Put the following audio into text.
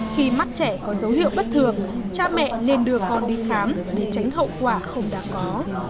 khi mắc trẻ có dấu hiệu bất thường cha mẹ nên đưa con đi khám để tránh hậu quả không đáng có